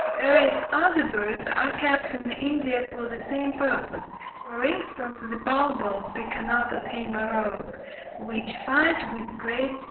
Various other birds are kept in India for the same purpose, for instance, the bulbuls (Pycnonotus hoemorrhous) which "fight with great spirit."